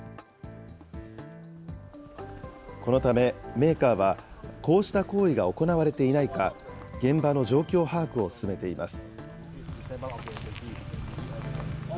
このためメーカーは、こうした行為が行われていないか、現場の状況把握を進めています。